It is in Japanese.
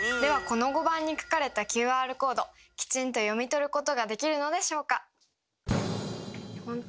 この碁盤に描かれたＱＲコードきちんと読み取ることができるのでしょうか。